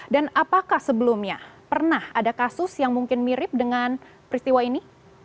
apakah sebelumnya pernah ada kasus yang mungkin mirip dengan peristiwa ini